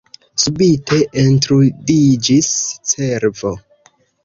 Subite entrudiĝis cervo.